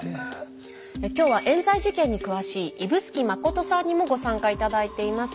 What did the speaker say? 今日はえん罪事件に詳しい指宿信さんにもご参加頂いています。